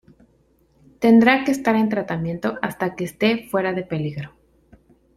Tendrá que estar en tratamiento hasta que este fuera de peligro.